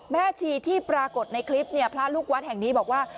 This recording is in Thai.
แม่ชีที่ปรากฏในคลิปเนี่ยพระลูกวัดแห่งนี้บอกว่า